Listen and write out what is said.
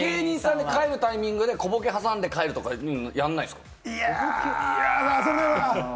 その帰るタイミングで何か小ボケ挟んで帰るとかしないんですか？